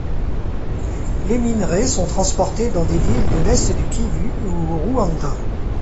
Les minerais sont transportés dans des villes de l’est du Kivu ou au Rwanda.